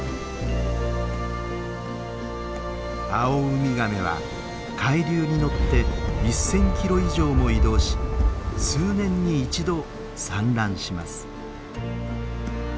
アオウミガメは海流に乗って１，０００キロ以上も移動し数年に一度産卵します。